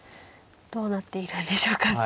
どうなっているんでしょうか。